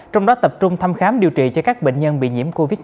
trong đó tập trung thăm khám điều trị cho các bệnh nhân bị nhiễm covid một mươi chín